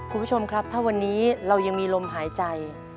คุณผู้ชมครับถ้าวันนี้เรายังมีลมหายใจ